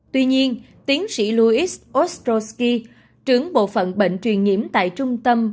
tuy nhiên tiến sĩ louis ostrosky trưởng bộ phận bệnh truyền nhiễm tại trung tâm